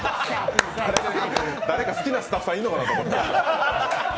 誰か好きなスタッフさん、いるのかなと思った。